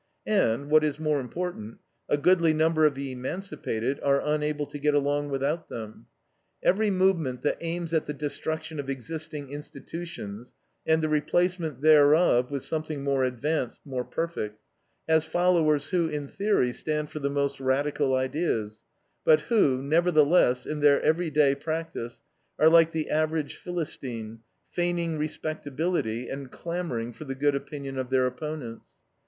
And, what is more important, a goodly number of the emancipated are unable to get along without them. Every movement that aims at the destruction of existing institutions and the replacement thereof with something more advanced, more perfect, has followers who in theory stand for the most radical ideas, but who, nevertheless, in their every day practice, are like the average Philistine, feigning respectability and clamoring for the good opinion of their opponents.